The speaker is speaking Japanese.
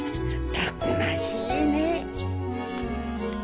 たくましいね。